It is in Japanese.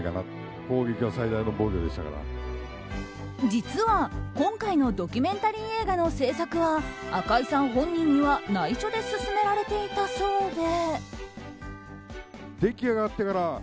実は、今回のドキュメンタリー映画の制作は赤井さん本人には内緒で進められていたそうで。